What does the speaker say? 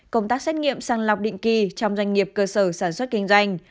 công tác xét nghiệm sang lọc định kỳ trong doanh nghiệp cơ sở sản xuất kinh doanh